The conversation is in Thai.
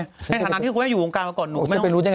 ในฐานะที่คุณแม่อยู่วงกลางกับก่อน